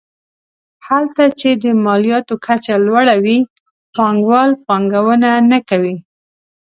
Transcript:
هلته چې د مالیاتو کچه لوړه وي پانګوال پانګونه نه کوي.